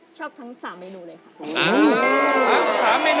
โอ้โฮฟิล